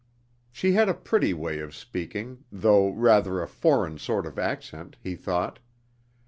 She had a pretty way of speaking, though rather a foreign sort of accent, he thought.